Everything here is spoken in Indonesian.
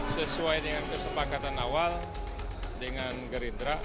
sesuai dengan kesepakatan awal dengan gerindra